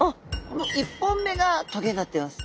この１本目が棘になってます。